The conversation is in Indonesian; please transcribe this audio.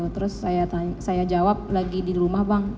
terus saya jawab lagi di rumah bang